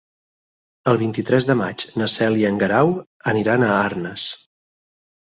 El vint-i-tres de maig na Cel i en Guerau aniran a Arnes.